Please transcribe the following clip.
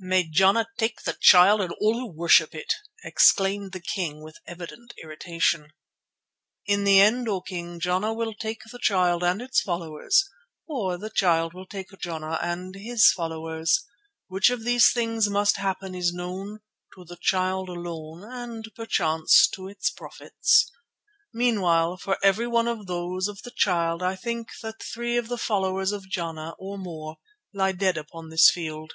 "May Jana take the Child and all who worship it," exclaimed the king with evident irritation. "In the end, O King, Jana will take the Child and its followers—or the Child will take Jana and his followers. Which of these things must happen is known to the Child alone, and perchance to its prophets. Meanwhile, for every one of those of the Child I think that three of the followers of Jana, or more, lie dead upon this field.